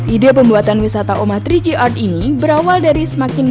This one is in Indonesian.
ide pembuatan wisata omah tiga g art ini berawal dari semakin